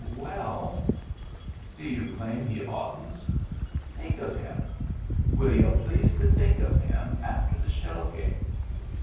"Well —"" D'you claim he'd oughtn't? Think of him! Will y'u please to think of him after that shell game